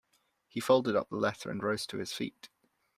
He folded up the letter, and rose to his feet.